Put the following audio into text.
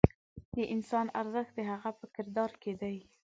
د انسان ارزښت د هغه په کردار کې دی.